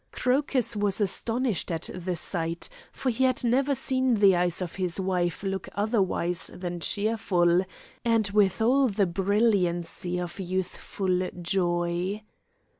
Crocus was astonished at the sight, for he had never seen the eyes of his wife look otherwise than cheerful, and with all the brilliancy of youthful joy.